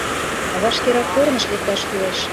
Вашкерак корныш лекташ кӱлеш.